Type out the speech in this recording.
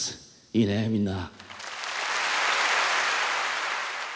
いいね、みんな。